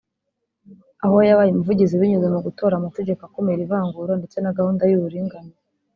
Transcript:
aho yabaye umuvugizi binyuze mu gutora amategeko akumira ivangura ndetse na gahunda y’uburinganire